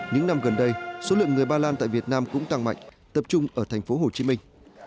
những năm gần đây số lượng người ba lan tại việt nam cũng tăng mạnh tập trung ở thành phố hồ chí minh